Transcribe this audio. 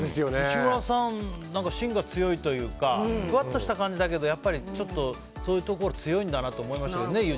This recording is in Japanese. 西村さん芯が強いというかふわっとした感じだけどやっぱりちょっとそういうところ強いんだなと思いましたよね。